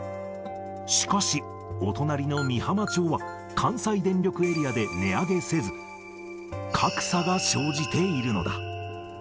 しかし、お隣の美浜町は、関西電力エリアで値上げせず、格差が生じているのだ。